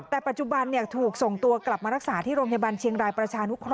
แต่ปัจจุบันถูกส่งตัวกลับมารักษาที่โรงพยาบาลเชียงรายประชานุเคราะ